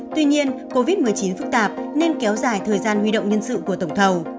tuy nhiên covid một mươi chín phức tạp nên kéo dài thời gian huy động nhân sự của tổng thầu